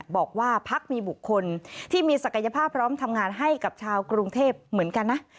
บอกว่าพักมีบุคคลที่มีศักยภาพพร้อมทำงานให้กับชาวกรุงเทพเหมือนกันนะ